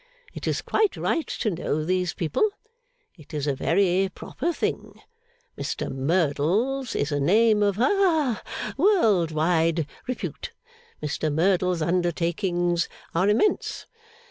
It is quite right to know these people. It is a very proper thing. Mr Merdle's is a name of ha world wide repute. Mr Merdle's undertakings are immense.